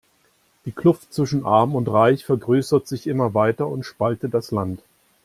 Die Kluft zwischen arm und reich vergrößert sich immer weiter und spaltet das Land.